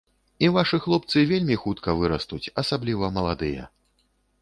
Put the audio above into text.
І вашы хлопцы вельмі хутка вырастуць, асабліва маладыя.